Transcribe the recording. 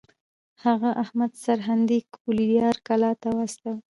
هغه احمد سرهندي ګوالیار کلا ته واستوه.